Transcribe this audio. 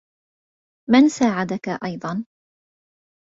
من ساعدك أيضا؟